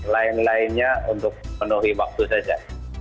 lain lainnya untuk menuhi waktu saja